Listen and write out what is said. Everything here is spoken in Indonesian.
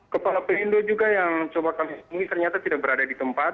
kepala pihindo juga yang coba kami sebutkan ini ternyata tidak berada di tempat